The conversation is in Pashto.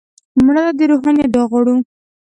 مړه ته د روحانیت دعا غواړو